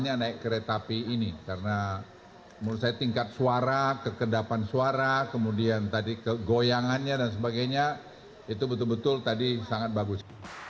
saya naik kereta api ini karena menurut saya tingkat suara kekedapan suara kemudian tadi kegoyangannya dan sebagainya itu betul betul tadi sangat bagus